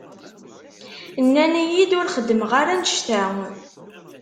Nnan-iyi-d ur xeddmeɣ ara annect-a.